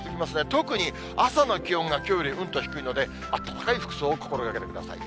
特に朝の気温がきょうよりうんと低いので、暖かい服装を心がけてください。